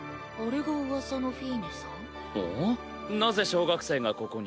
なぜ小学生がここに？